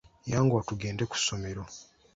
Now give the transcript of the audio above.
Yanguwa tugende ku ssomero.